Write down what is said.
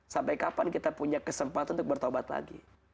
sampai kapan kita punya kesempatan untuk bertobat lagi